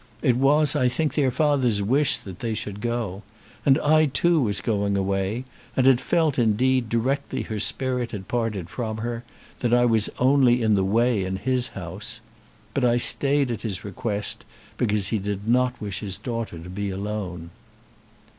It was, I think, their father's wish that they should go. And I too was going away, and had felt, indeed, directly her spirit had parted from her, that I was only in the way in his house. But I stayed at his request, because he did not wish his daughter to be alone."